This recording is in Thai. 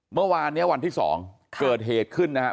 เมื่อวานนี้วันที่๒เกิดเหตุขึ้นนะครับ